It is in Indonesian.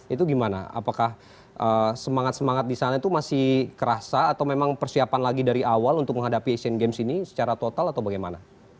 itu gimana apakah semangat semangat di sana itu masih kerasa atau memang persiapan lagi dari awal untuk menghadapi asian games ini secara total atau bagaimana